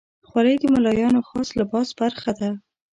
خولۍ د ملایانو خاص لباس برخه ده.